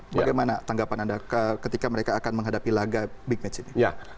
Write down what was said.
bagaimana tanggapan anda ketika mereka akan menghadapi laga big match ini